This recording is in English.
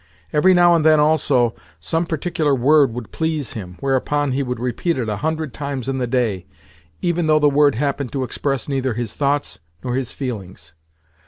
Every now and then, also, some particular word would please him; whereupon he would repeat it a hundred times in the day—even though the word happened to express neither his thoughts nor his feelings.